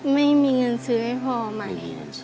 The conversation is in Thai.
ไม่มีเงินซื้อให้พ่อใหม่